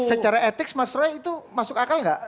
secara etik mas roy itu masuk akal nggak